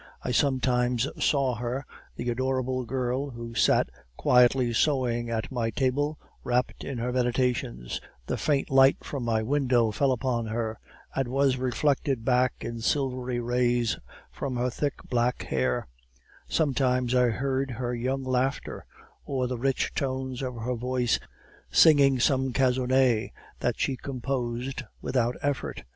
I sometimes saw her, the adorable girl who sat quietly sewing at my table, wrapped in her meditations; the faint light from my window fell upon her and was reflected back in silvery rays from her thick black hair; sometimes I heard her young laughter, or the rich tones of her voice singing some canzonet that she composed without effort.